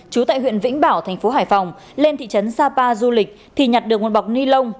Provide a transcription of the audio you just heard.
chú tại huyện vĩnh bảo thành phố hải phòng lên thị trấn sapa du lịch thì nhặt được một bọc ni lông